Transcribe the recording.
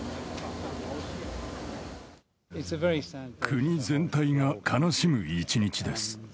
国全体が悲しむ一日です。